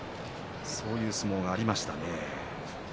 そういう相撲がありますね。